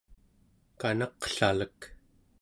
kanaqlalek